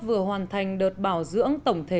vừa hoàn thành đợt bảo dưỡng tổng thể